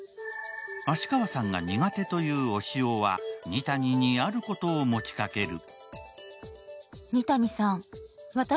芦川さんが苦手という押尾は二谷にあることを持ちかける。